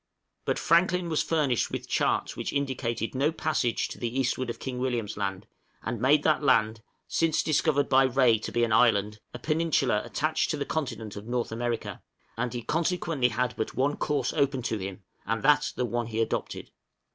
But Franklin was furnished with charts which indicated no passage to the eastward of King William's Land, and made that land (since discovered by Rae to be an island) a peninsula attached to the continent of North America; and he consequently had but one course open to him, and that the one he adopted.